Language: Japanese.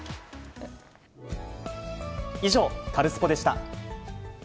以上、カルスポっ！でした。